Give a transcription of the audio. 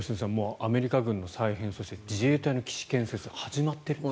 アメリカ軍の再編そして、自衛隊の基地建設始まっているんです。